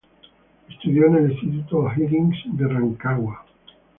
Estudió en el Instituto O'Higgins de Rancagua.